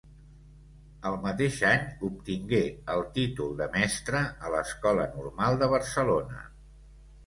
El mateix any obtingué el títol de mestra a l'Escola Normal de Barcelona.